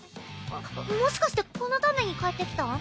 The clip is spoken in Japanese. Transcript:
あっもしかしてこのために帰って来たん？